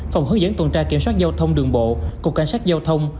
phòng hướng dẫn tuần tra kiểm soát giao thông đường bộ cục cảnh sát giao thông